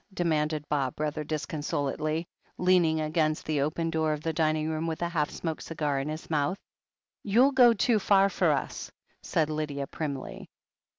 demanded Bob rather disconsolately, leaning against the open door of the dining room with a half smoked cigar in his mouth. "You'll go too far for us," said Lydia primly.